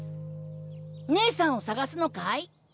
ねえさんを捜すのかい？